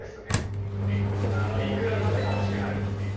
いくら買っても欲しくなるっていう。